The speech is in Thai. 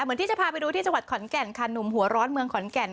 เหมือนที่จะพาไปดูที่จังหวัดขอนแก่นค่ะหนุ่มหัวร้อนเมืองขอนแก่น